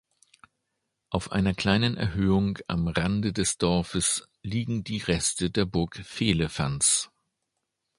Auf einer kleinen Erhöhung am Rande des Dorfes liegen die Reste der Burg Vehlefanz.